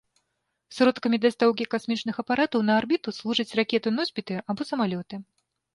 Сродкамі дастаўкі касмічных апаратаў на арбіту служаць ракеты-носьбіты або самалёты.